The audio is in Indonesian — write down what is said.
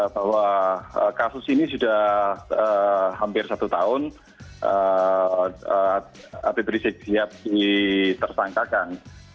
bahwa kasus ini sudah hampir satu tahun habib rizik siap ditersangkakan